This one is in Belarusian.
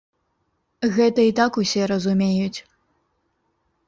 Гэта і так усе разумеюць.